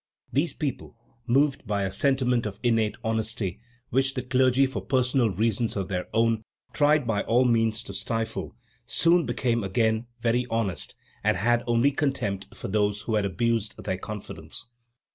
These people, moved by a sentiment of innate honesty, which the clergy for personal reasons of their own, tried by all means to stifle soon became again very honest and had only contempt for those who had abused their confidence.